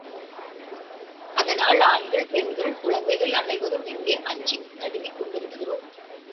அதனால் ஆண்கள், பெண்கள், குழந்தைகள் அனைவரும் இங்கே அஞ்சி நடுங்கிக் கொண்டி ருக்கிறோம்.